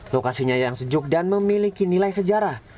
lokasinya yang sejuk dan memiliki nilai sejarah